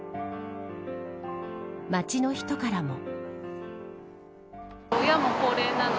街の人からも。